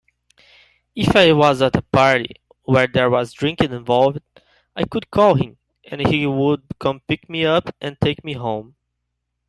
If I was at a party where there was drinking involved, I could call him and he would come pick me up and take me home.